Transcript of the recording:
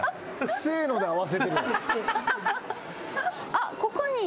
あっここに。